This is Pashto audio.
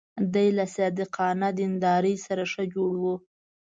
دی له صادقانه دیندارۍ سره ښه جوړ و.